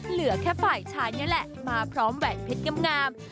เหลือแค่ฝ่ายชายนี่แหละมาพร้อมแหวนเพชรงาม